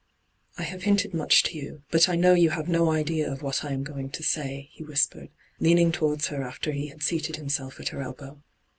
' I have hinted much to you ; but I know you have no idea of what I am going to say,' he whispered, leaning towards her after he had seated himself at her elbow.